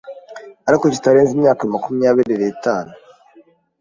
ariko kitarenze imyaka makumyabiri n’itanu.